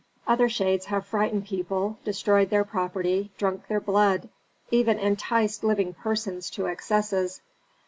Other shades have frightened people, destroyed their property, drunk their blood, even enticed living persons to excesses.